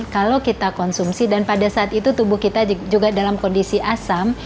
kalau kita konsumsi dan pada saat itu tubuh kita juga dalam kondisi asam